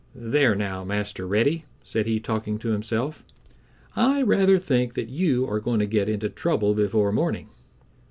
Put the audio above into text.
"There now, Master Reddy," said he, talking to himself, "I rather think that you are going to get into trouble before morning."